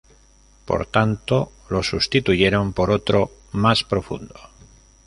Por tanto lo sustituyeron por otro, más profundo.